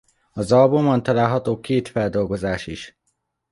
Az albumon található két feldolgozás is.